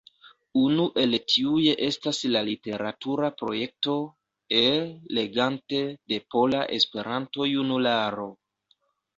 Unu el tiuj estas la literatura projekto E-legante de Pola Esperanto-Junularo.